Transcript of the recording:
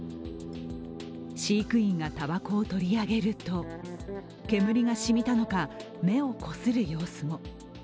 飼育員がたばこを取り上げると、煙がしみたのか、目をこする様子も。